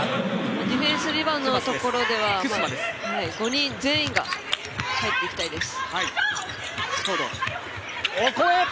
ディフェンスリバウンドのところでは５人全員が入っていきたいです。